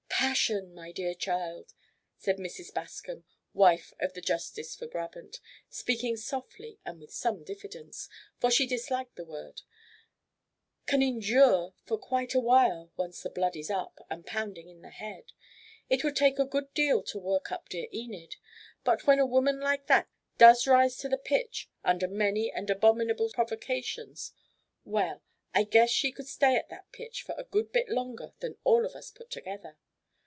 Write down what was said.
"Passion, my dear child," said Mrs. Bascom, wife of the Justice for Brabant, speaking softly and with some diffidence, for she disliked the word, "can endure for quite a while once the blood is up and pounding in the head. It would take a good deal to work up dear Enid, but when a woman like that does rise to the pitch under many and abominable provocations, well, I guess she could stay at that pitch a good bit longer than all of us put together.